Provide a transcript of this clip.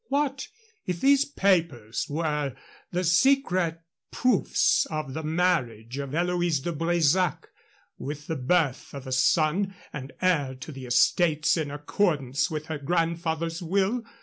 "What if these papers were the secret proofs of the marriage of Eloise de Bresac and of the birth of a son and heir to the estates in accordance with her grandfather's will?